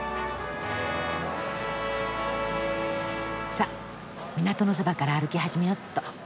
さっ港のそばから歩き始めよっと。